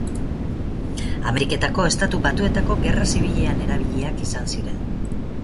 Ameriketako Estatu Batuetako Gerra Zibilean erabiliak izan ziren.